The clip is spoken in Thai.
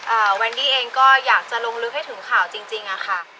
แวนดี้เองก็อยากจะลงลึกให้ถึงข่าวจริงจริงอะค่ะ